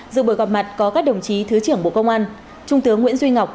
dự buổi gặp mặt có các đồng chí thứ trưởng bộ công an trung tướng nguyễn duy ngọc